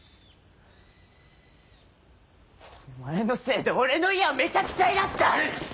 お前のせいで俺の家はめちゃくちゃになった！